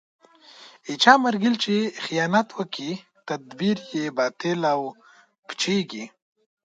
د چا ملګری چې خیانت وکړي، تدبیر یې باطل او پوچېـږي.